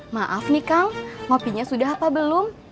maaf nih kang ngopinya sudah apa belum